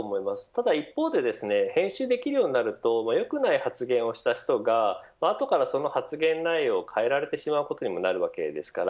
ただ一方で編集できるようになるとよくない発言をした人が後から、その発言内容を変えられてしまうことにもなるわけです。